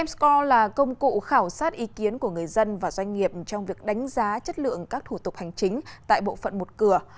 m score là công cụ khảo sát ý kiến của người dân và doanh nghiệp trong việc đánh giá chất lượng các thủ tục hành chính tại bộ phận một cửa